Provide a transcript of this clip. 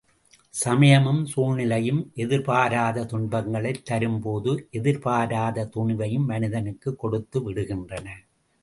சமயமும் சூழ்நிலையும் எதிர்பாராத துன்பங்களைத் தரும்போது, எதிர்பாராத துணிவையும் மனிதனுக்குக் கொடுத்து விடுகின்றன.